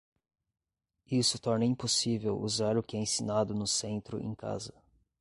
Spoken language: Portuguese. Isso torna impossível usar o que é ensinado no centro em casa.